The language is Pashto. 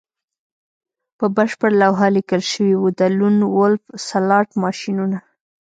په بشپړه لوحه لیکل شوي وو د لون وولف سلاټ ماشینونه